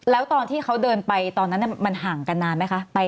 แล้วตอนที่เขาเดินไปตอนนั้นมันห่างกันนานไหมคะ